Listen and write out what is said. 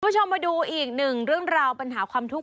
คุณผู้ชมมาดูอีกหนึ่งเรื่องราวปัญหาความทุกข์